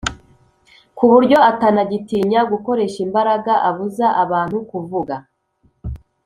ku buryo atanagitinya gukoresha imbaraga abuza abantu kuvuga.